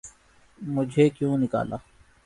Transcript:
'مجھے کیوں نکالا؟